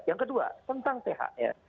yang kedua tentang thr